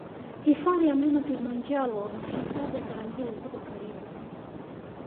Hifadhi ya Mlima Kilimanjaro na Hifadhi ya Tarangire ziko karibu